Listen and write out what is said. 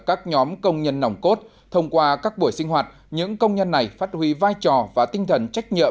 các nhóm công nhân nồng cốt thông qua các buổi sinh hoạt những công nhân này phát huy vai trò